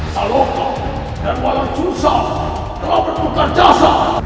saloka dan walang susu telah bertukar jasa